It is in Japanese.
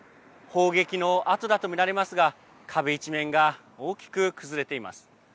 砲撃の痕だと見られますが壁一面が大きく崩れています。